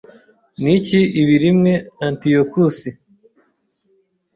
Niki ibi rimwe Antiyokusi